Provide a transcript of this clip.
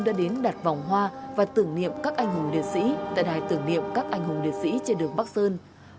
đã đến đặt vòng hoa và tưởng niệm các anh hùng liệt sĩ tại đài tưởng niệm các anh hùng liệt sĩ trên đường bắc sơn